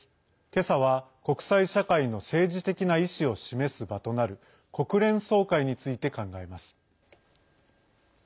今朝は国際社会の政治的な意思を示す場となる国連総会について考えます。